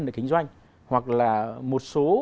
để kinh doanh hoặc là một số